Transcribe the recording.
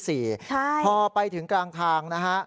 พอไปถึงกลางทางนะฮะ